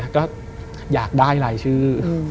ก็อยากได้รายชื่อ